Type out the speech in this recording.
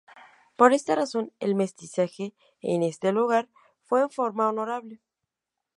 Por esta razón el mestizaje en este lugar fue en forma honorable.